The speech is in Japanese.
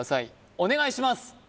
お願いします